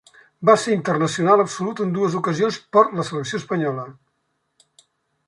Va ser internacional absolut en dues ocasions per la selecció espanyola.